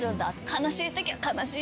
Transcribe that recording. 悲しいときは「悲しいんだ」